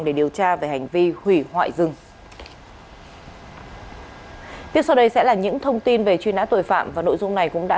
để điều tra về hành vi hủy hoại rừng